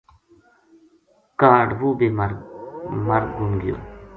کاہڈ وہ بے مر گُم گیو